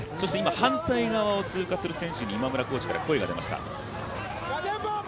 反対側を通過する選手に今村コーチから声が出ました。